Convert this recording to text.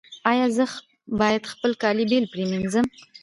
ایا زه باید خپل کالي بیل پریمنځم؟